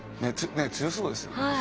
ね強そうですよね。